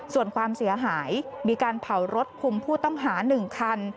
ส่วนความเสียหายมีการเผารถคุมผู้ต้องหา๑คัน